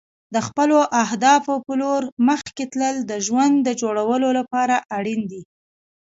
د خپلو اهدافو په لور مخکې تلل د ژوند د جوړولو لپاره اړین دي.